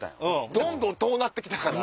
どんどん遠なって来たから。